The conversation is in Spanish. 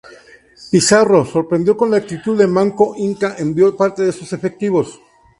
Pizarro, sorprendido con la actitud de Manco Inca envió parte de sus efectivos.